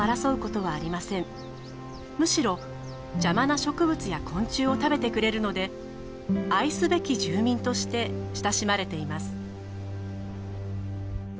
むしろ邪魔な植物や昆虫を食べてくれるので愛すべき住民として親しまれています。